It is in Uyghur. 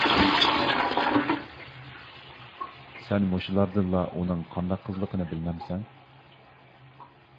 سەن مۇشۇلاردىنلا ئۇنىڭ قانداق قىزلىقىنى بىلمەمسەن.